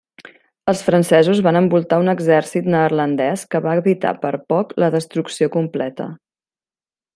Els francesos van envoltar un exèrcit neerlandès, que va evitar per poc la destrucció completa.